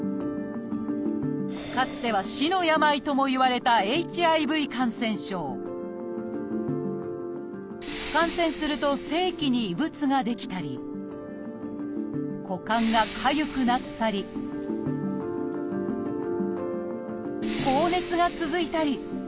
かつては死の病ともいわれた「ＨＩＶ感染症」感染すると性器に異物が出来たり股間がかゆくなったり高熱が続いたり。